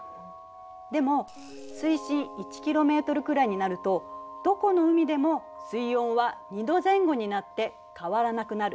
でも水深１ｋｍくらいになるとどこの海でも水温は２℃前後になって変わらなくなる。